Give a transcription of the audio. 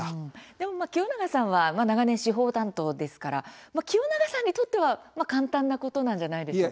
でも清永さんは長年、司法担当ですから清永さんにとっては簡単なことなんじゃないでしょうか。